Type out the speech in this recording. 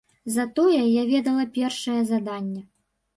Затое я ведала першае заданне.